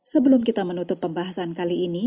sebelum kita menutup pembahasan kali ini